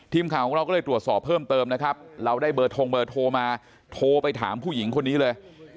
ทีมข่าวของเราก็เลยตรวจสอบเพิ่มเติมนะครับเราได้เบอร์ทงเบอร์โทรมาโทรไปถามผู้หญิงคนนี้เลย